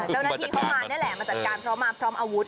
เจ้าหน้าที่เขามานี่แหละมาจัดการเพราะมาพร้อมอาวุธ